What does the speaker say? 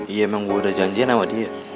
iya emang gue udah janjian sama dia